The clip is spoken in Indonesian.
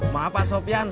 maaf pak sopyan